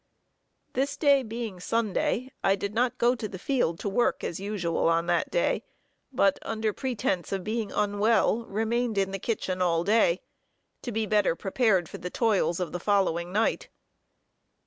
This day being Sunday, I did not go to the field to work as usual, on that day, but under pretence of being unwell, remained in the kitchen all day, to be better prepared for the toils of the following night.